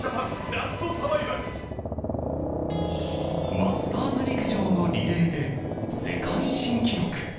マスターズ陸上のリレーで世界新記録。